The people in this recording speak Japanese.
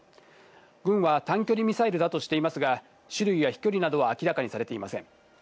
軍は短距離ミサイルだとしていますが、種類や飛距離などは明らかにされていません。